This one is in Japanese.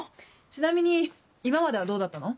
ちなみに今まではどうだったの？